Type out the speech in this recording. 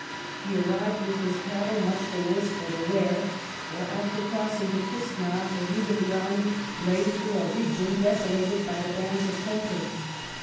He arrived with his cattle much the worse for the wear ; for, after crossing the Kistna, the route of the army lay through a region desolated by the bands of Holkar.